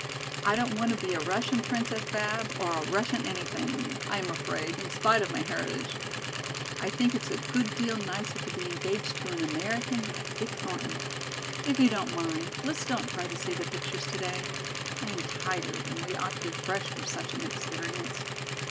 "I don't want to be a Russian princess, Bab, or a Russian anything, I am afraid, in spite of my heritage. I think it a good deal nicer to be engaged to an American like Dick Thornton. If you don't mind, let's don't try to see the pictures today. I am tired and we ought to be fresh for such an experience.